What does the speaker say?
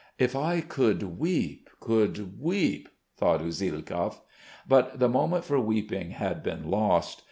"If I could weep, could weep!" thought Usielkov. But the moment for weeping had been lost.